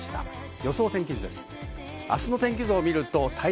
予想天気図です。